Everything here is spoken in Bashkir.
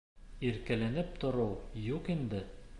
Иркәләнеп тороу юҡ инде.